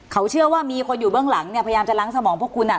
เขาเชื่อว่ามีคนอยู่เบื้องหลังเนี่ยพยายามจะล้างสมองพวกคุณ